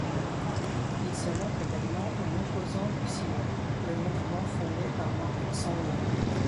Il se montre également un opposant du Sillon, le mouvement fondé par Marc Sangnier.